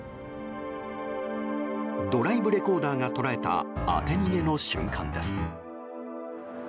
ドライブレコーダーが捉えた当て逃げの瞬間です。